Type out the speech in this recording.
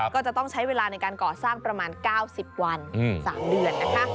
ก็จะต้องใช้เวลาในการก่อสร้างประมาณ๙๐วัน๓เดือนนะคะ